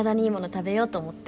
食べようと思って